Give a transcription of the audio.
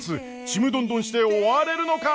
ちむどんどんして終われるのか！？